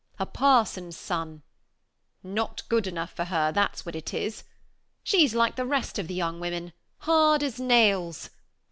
A parson's son ! Not good enough for her, that's what it is. She's like the rest of the young women — hard as nails!